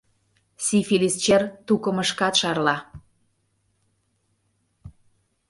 Сифилис чер тукымышкат шарла.